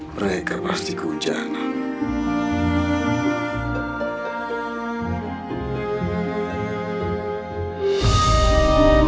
mereka pasti keujanan